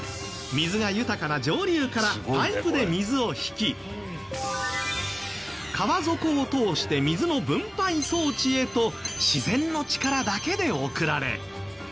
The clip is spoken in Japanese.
水が豊かな上流からパイプで水を引き川底を通して水の分配装置へと自然の力だけで送られ。